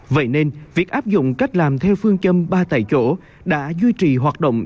vậy nên việc áp dụng cách làm theo phương châm ba tại chỗ đã duy trì hoạt động